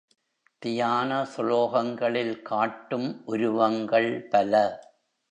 தியான சுலோகங்களில் காட்டும் உருவங்கள் பல.